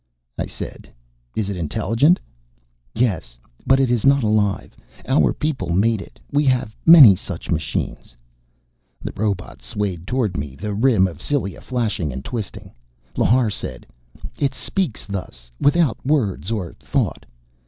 I said, "Is it intelligent?" "Yes. But it is not alive. Our people made it. We have many such machines." The robot swayed toward me, the rim of cilia flashing and twisting. Lhar said, "It speaks thus, without words or thought...."